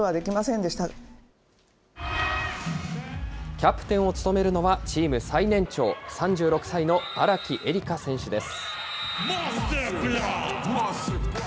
キャプテンを務めるのは、チーム最年長、３６歳の荒木絵里香選手です。